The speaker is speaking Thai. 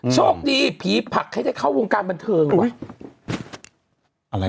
โชคดีผีผักให้เข้าวงการบันเทิงอุ้ยอะไรเออ